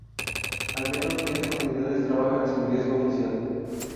Al menos treinta comunidades trabajan sin registro oficial.